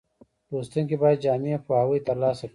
لوستونکي باید جامع پوهاوی ترلاسه کړي.